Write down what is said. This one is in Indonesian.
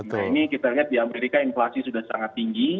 nah ini kita lihat di amerika inflasi sudah sangat tinggi